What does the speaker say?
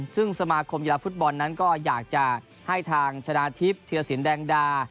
ซึ่งสมาคมกีฬาฟุตบอลนั้นก็อยากจะให้ทางชนะทิพย์เทียรสินแดงดา